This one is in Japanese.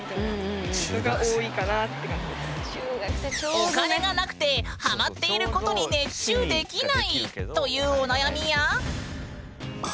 お金がなくてハマっていることに熱中できない！というお悩みや。